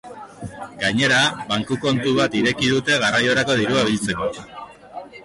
Gainera, banku-kontu bat ireki dute garraiorako dirua biltzeko.